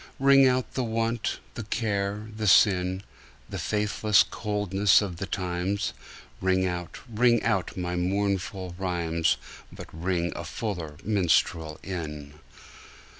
Ring out the want, the care the sin, The faithless coldness of the times; Ring out, ring out my mournful rhymes, But ring the fuller minstrel in.